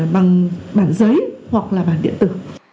bằng bản giấy hoặc là bản điện tử